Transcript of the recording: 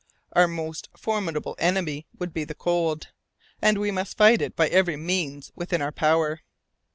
Our most formidable enemy would be the cold, and we must fight it by every means within our power.